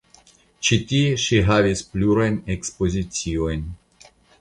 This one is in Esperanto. Ĉi tie ŝi havis plurajn ekspoziciojn.